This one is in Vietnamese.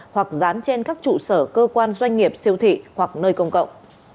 hoặc dán trên các trụ sở cơ quan doanh nghiệp siêu thị hoặc nơi công cộng